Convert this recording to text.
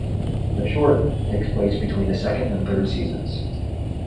The short takes place between the second and third seasons.